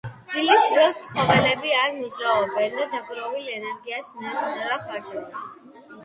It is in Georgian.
ძილის დროს ცხოველები არ მოძრაობენ და დაგროვილ ენერგიას ნელ-ნელა ხარჯავენ